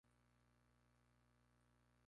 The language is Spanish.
Al año siguiente tuvo un hijo, llamado Miguel Simón.